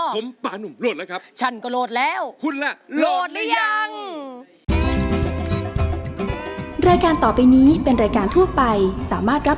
ผมปานุ่มโหลดแล้วครับ